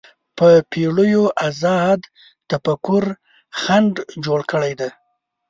په پېړیو ازاد تفکر خنډ جوړ کړی دی